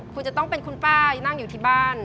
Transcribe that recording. คุณจะต้องเป็นคุณป้านั่งอยู่ที่บ้าน